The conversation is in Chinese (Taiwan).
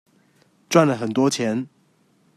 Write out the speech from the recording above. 賺了很多錢